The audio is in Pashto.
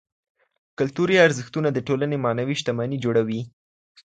کلتوري ارزښتونه د ټولني معنوي شتمني جوړوي.